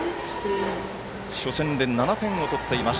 初戦で７点を取っています。